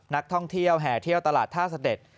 นักท่องเที่ยวแห่เที่ยวตลาดท่าเสด็จ